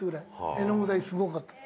絵の具代すごかった。